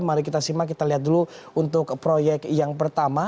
mari kita simak kita lihat dulu untuk proyek yang pertama